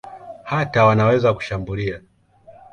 Hata wanaweza kushambulia.